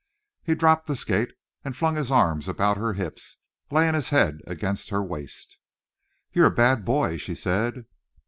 He dropped the skate and flung his arms around her hips, laying his head against her waist. "You're a bad boy," she said.